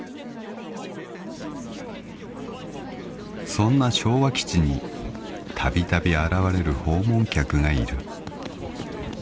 ［そんな昭和基地にたびたび現れる訪問客がいる］